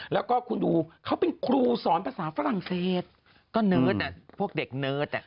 แล้วก็คุณดูเขาเป็นครูสอนภาษาฝรั่งเศสก็เนิร์ดอ่ะพวกเด็กเนิร์ดอ่ะ